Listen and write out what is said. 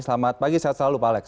selamat pagi sehat selalu pak alex